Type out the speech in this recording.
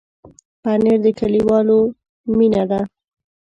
پنېر د کلیوالو مینه ده.